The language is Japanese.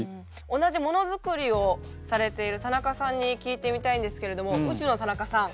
同じものづくりをされている田中さんに聞いてみたいんですけれども宇宙の田中さん。